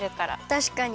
たしかに。